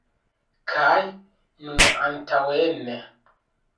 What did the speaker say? Kaj nun antaŭen!